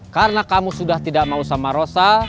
karena kamu sudah tidak mau sama rosa